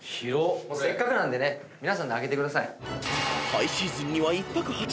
せっかくなんで皆さんで開けてください。